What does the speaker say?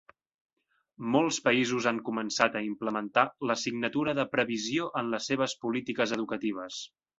Molts països han començat a implementar l'assignatura de Previsió en les seves polítiques educatives.